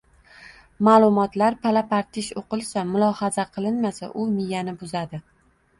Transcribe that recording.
ma’lumotlar pala-partish o‘qilsa, mulohaza qilinmasa, u miyani buzadi